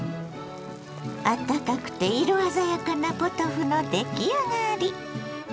あったかくて色鮮やかなポトフの出来上がり。